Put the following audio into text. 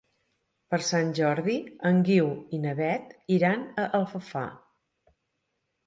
Per Sant Jordi en Guiu i na Beth iran a Alfafar.